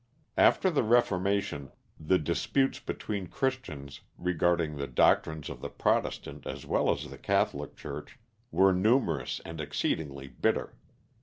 After the Reformation the disputes between Christians, regarding the doctrines of the Protestant as well as the Catholic Church, were numerous and exceedingly bitter.